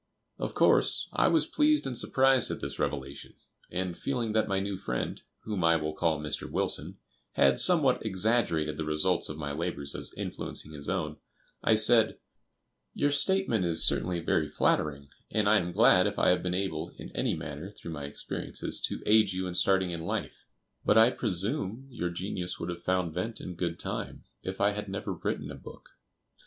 Of course, I was pleased and surprised at this revelation, and, feeling that my new friend, whom I will call Mr. Wilson,[B] had somewhat exaggerated the results of my labors as influencing his own, I said: "Your statement is certainly very flattering, and I am glad if I have been able in any manner, through my experiences, to aid you in starting in life; but I presume your genius would have found vent in good time if I had never written a book."